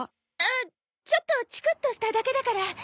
あっちょっとチクッとしただけだから。